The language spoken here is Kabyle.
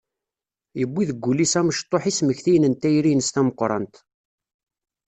Yewwi deg wul-is amecṭuḥ ismektiyen n tayri-ines tameqqrant.